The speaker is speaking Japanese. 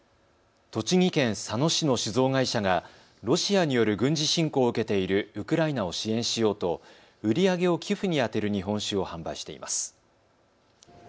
栃木県佐野市の酒造会社がロシアによる軍事侵攻を受けているウクライナを支援しようと売り上げを寄付に充てる日本酒を販売しています。